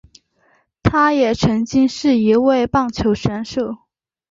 他也曾经是一位棒球选手。